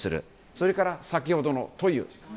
それから、先ほどの塗油。